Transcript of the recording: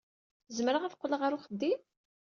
Zemreɣ ad qqleɣ ɣer uxeddim?